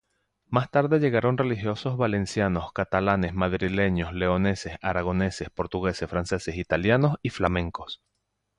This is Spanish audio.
Más tarde llegaron religiosos valencianos, catalanes, madrileños, leoneses, aragoneses, portugueses, franceses, italianos y flamencos.